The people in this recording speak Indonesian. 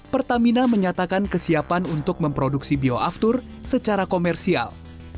pertamina menyatakan kesiapan untuk memproduksi bioaftur secara komersial